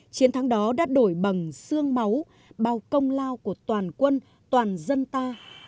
chiến thắng đó đắt đổi bằng sương máu bao công lao của toàn quân toàn dân ta